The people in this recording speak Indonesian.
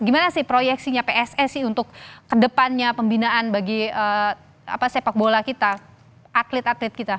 gimana sih proyeksinya pssi untuk kedepannya pembinaan bagi sepak bola kita atlet atlet kita